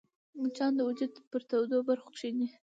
مچان د وجود پر تودو برخو کښېني